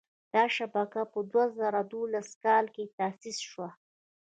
دا شبکه په دوه زره دولسم کال کې تاسیس شوه.